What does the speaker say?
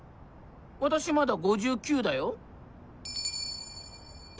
私まだ５９だよ。